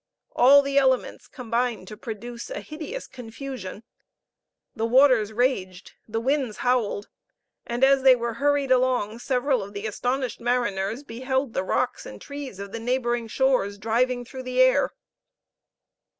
All the elements combined to produce a hideous confusion. The waters raged the winds howled and as they were hurried along several of the astonished mariners beheld the rocks and trees of the neighboring shores driving through the air!